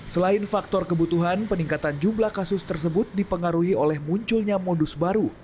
selain faktor kebutuhan peningkatan jumlah kasus tersebut dipengaruhi oleh munculnya modus baru